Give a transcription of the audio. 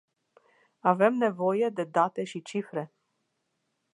Avem nevoie de date și cifre.